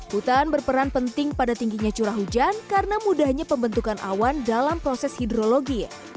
hutan berperan penting pada tingginya curah hujan karena mudahnya pembentukan awan dalam proses hidrologi